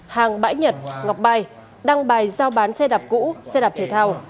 hàng bãi nhật ngọc bài đăng bài giao bán xe đạp cũ xe đạp thể thao